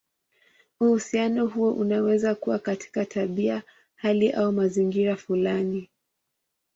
Uhusiano huo unaweza kuwa katika tabia, hali, au mazingira fulani.